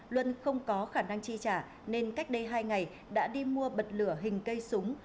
luân không có khả năng chi trả nên cách đây hai ngày đã đi mua bật lửa hình cây súng